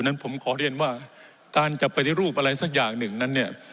นั้นผมขอเรียนว่าการจะปฏิรูปอะไรสักอย่างหนึ่งนั้นเนี่ย